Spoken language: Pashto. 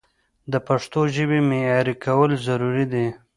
د پښتو ژبې معیاري کول ضروري دي.